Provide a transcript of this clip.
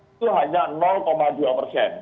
itu hanya dua persen